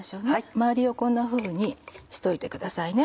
周りをこんなふうにしといてくださいね。